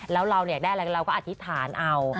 แล้วเราได้อะไรเราก็อธิษฐานเอา